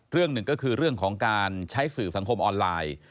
เรื่องหนึ่งก็คือเรื่องของการใช้สื่อสังคมออนไลน์